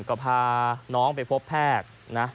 ก็พาน้องไปพบแพทย์นะ